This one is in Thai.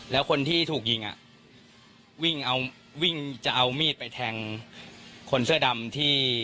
แล้วคนที่ถูกยิงอ่ะวิ่งเอาวิ่งจะเอามีดไปแทงคนเสื้อดำที่